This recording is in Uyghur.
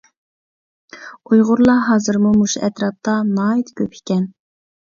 ئۇيغۇرلار ھازىرمۇ مۇشۇ ئەتراپتا ناھايىتى كۆپ ئىكەن.